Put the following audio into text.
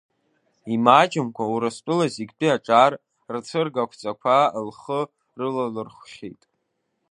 Имаҷымкәа Урыстәылазегьтәи аҿар рцәыргақәҵақәа лхы рылалырхәхьеит.